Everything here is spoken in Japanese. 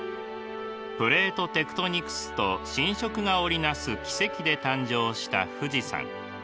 プレートテクトニクスと侵食が織り成す奇跡で誕生した富士山。